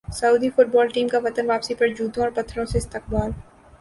سعودی football team کا وطن واپسی پر جوتوں اور پتھروں سے استقبال